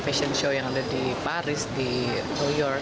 fashion show yang ada di paris di new york